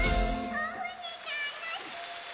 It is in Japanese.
おふねたのしい！